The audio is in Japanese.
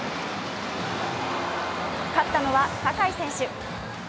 勝ったのは坂井選手。